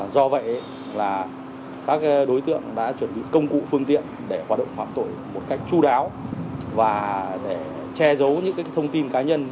do vậy là các đối tượng đã chuẩn bị công cụ phương tiện để hoạt động phạm tội một cách chú đáo và để che giấu những thông tin cá nhân